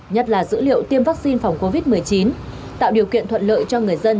nhất là dữ liệu tiêm vaccine phòng covid một mươi chín tạo điều kiện thuận lợi cho người dân